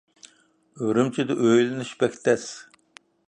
ئۈرۈمچىدە ئۆيلىنىش بەك تەس.